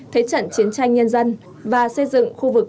thế trận chiến tranh nhân dân và xây dựng khu vực